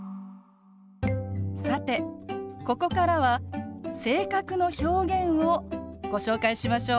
さてここからは性格の表現をご紹介しましょう。